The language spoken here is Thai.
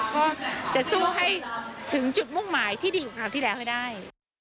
ก็จะสู้ให้ถึงจุดมุ่งหมายที่ดีกว่าคราวที่แล้วให้ได้